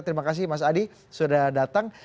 terima kasih mas adi sudah datang